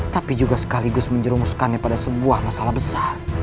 tapi juga sekaligus menjerumuskannya pada sebuah masalah besar